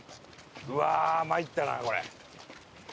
うわーまいったなこれ。